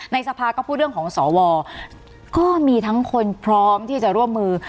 สภาก็พูดเรื่องของสวก็มีทั้งคนพร้อมที่จะร่วมมือ